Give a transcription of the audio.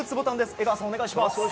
江川さん、お願いします。